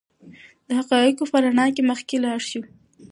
د حقایقو په رڼا کې مخکې لاړ شو.